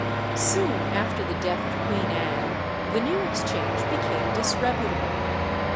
Soon after the death of Queen Anne the New Exchange became disreputable.